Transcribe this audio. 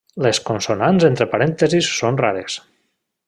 Les consonants entre parèntesis són rares.